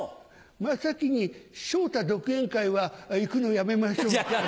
真っ先に昇太独演会は行くのやめましょう。